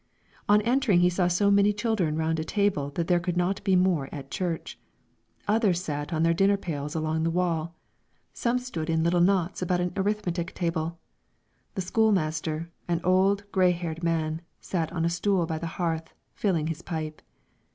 On entering he saw so many children round a table that there could not be more at church; others sat on their dinner pails along the wall, some stood in little knots about an arithmetic table; the school master, an old, gray haired man, sat on a stool by the hearth, filling his pipe.